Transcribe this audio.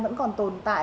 vẫn còn tồn tại